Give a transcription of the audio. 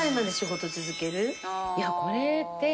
いやこれって。